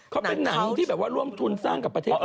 เขาเป็นหนังที่แบบว่าร่วมทุนสร้างกับประเทศ